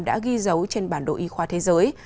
đã ghi dấu trên bản đồ y khoa thế giới